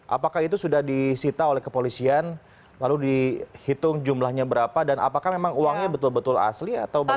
apakah itu sudah disita oleh kepolisian lalu dihitung jumlahnya berapa dan apakah memang uangnya betul betul asli atau bagaimana